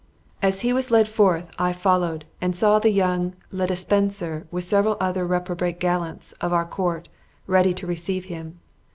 As he was led forth, I followed, and saw the young Le de Spencer, with several other reprobate gallants of our court, ready to receive him.